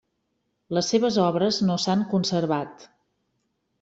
Les seves obres no s'han conservat.